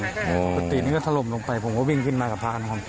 อ๋อปกตินี้ก็ทะลมลงไปผมก็วิ่งขึ้นมากับพระครับค่ะ